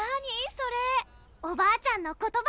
それおばあちゃんの言葉